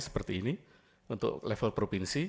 seperti ini untuk level provinsi